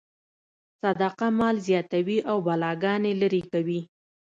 صدقه مال زیاتوي او بلاګانې لرې کوي.